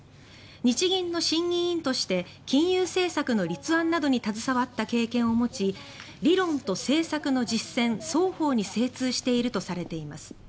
日銀の審議委員として金融政策の立案などに携わった経験を持ち理論と政策の実践双方に精通しているとされています。